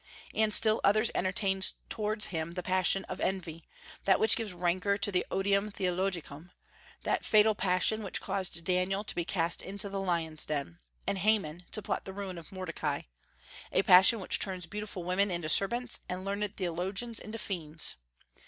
And still others entertained towards him the passion of envy, that which gives rancor to the odium theologicum, that fatal passion which caused Daniel to be cast into the lions' den, and Haman to plot the ruin of Mordecai; a passion which turns beautiful women into serpents, and learned theologians into fiends.